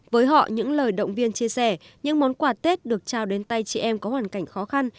với họ những lời động viên chia sẻ những món quà tết được trao đến tay chị em có hoàn cảnh khó khăn